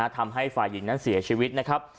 ทำให้ฝ่ายหญิงนั้นเสียชีวิตนะครับ